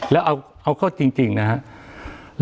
แล้วเอาเข้าจริงนะครับ